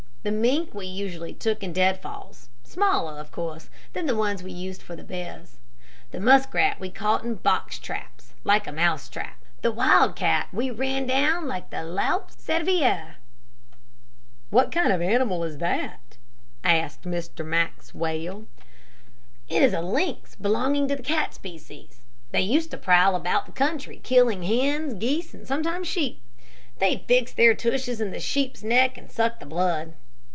The mink we usually took in deadfalls, smaller, of course, than the ones we used for the bears. The musk rat we caught in box traps like a mouse trap. The wild cat we ran down like the 'loup cervier' " "What kind of an animal is that?" asked Mr. Maxwell. "It is a lynx, belonging to the cat species. They used to prowl about the country killing hens, geese, and sometimes sheep. They'd fix their tushes in the sheep's neck and suck the blood.